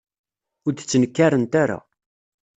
Ur d-ttnekkarent ara.